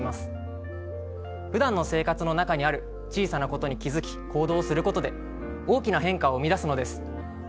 ふだんの生活の中にある小さなことに気付き行動することで大きな変化を生み出すのです。